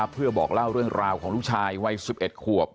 เพื่อบอกเล่าเรื่องราวของลูกชายวัย๑๑ขวบ